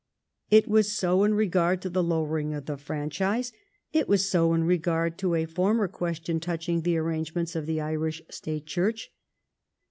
It was so in regard to the lowering of the franchise ; it was so in regard to a former question touching the arrangements of the Irish State Church.